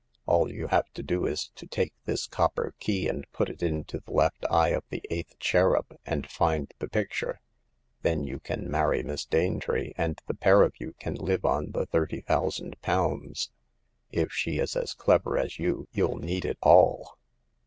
All you have to do is to take this copper key, put it into the left eye of the eighth cherub, and find the picture. Then you can marry Miss Danetree, and the pair of you can live on the thirty thousand pounds. If she is as clever as you, you'll need it all."